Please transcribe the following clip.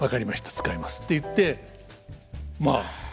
使います」って言ってまあ